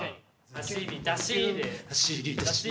「走り出し」で。